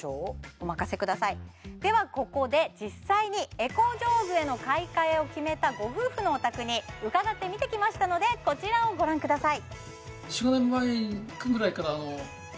お任せくださいではここで実際にエコジョーズへの買い替えを決めたご夫婦のお宅に伺って見てきましたのでこちらをご覧ください